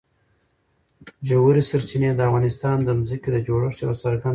ژورې سرچینې د افغانستان د ځمکې د جوړښت یوه څرګنده نښه ده.